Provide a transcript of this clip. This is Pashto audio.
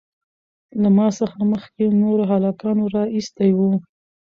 له ما څخه مخکې نورو هلکانو رااېستى وو.